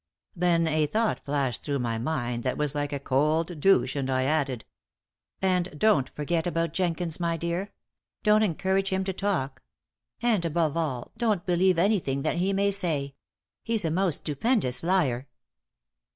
Then a thought flashed through my mind that was like a cold douche, and I added: "And don't forget about Jenkins, my dear. Don't encourage him to talk. And, above all, don't believe anything that he may say. He's a most stupendous liar."